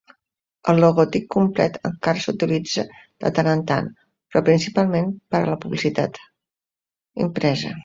El logotip complet encara s'utilitza de tant en tant, però principalment per a la publicitat impresa.